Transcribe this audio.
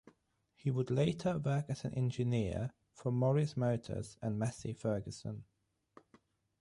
He would later work as an engineer for Morris Motors and Massey Ferguson.